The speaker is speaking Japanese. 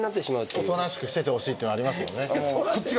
おとなしくしててほしいっていうのありますもんね。